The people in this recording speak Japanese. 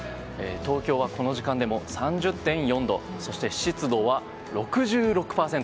東京はこの時間でも３０．４度そして、湿度は６６％。